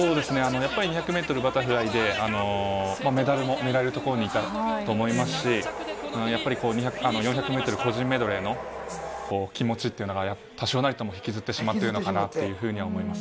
やっぱり２００メートルバタフライで、メダルも狙えるところにいたと思いますし、やっぱり４００メートル個人メドレーの気持ちっていうのが、多少なりとも引きずってしまっているのかなとは思います。